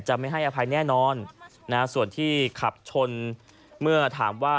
ไม่ให้อภัยแน่นอนส่วนที่ขับชนเมื่อถามว่า